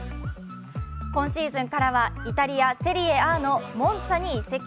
今シーズンからはイタリア・セリエＡのモンツァに移籍。